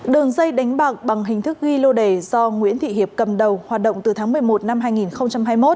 đường dây đánh bạc bằng hình thức ghi lô đề do nguyễn thị hiệp cầm đầu hoạt động từ tháng một mươi một năm hai nghìn hai mươi một